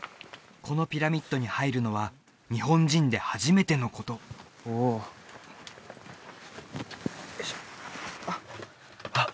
このピラミッドに入るのは日本人で初めてのことおおよいしょあっあっ